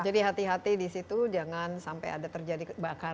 jadi hati hati di situ jangan sampai ada terjadi kebakaran